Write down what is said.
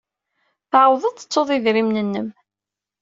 Tɛawdeḍ tettuḍ idrimen-nnem.